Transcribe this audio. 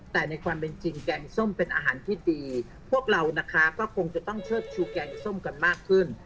แต่ในความเป็นจริงแกงส้มเป็นอาหารที่ดีพวกเรานะคะก็คงจะต้องเชิดชูแกงส้มกันมากขึ้น